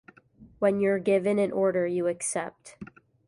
When you're given an order, you accept.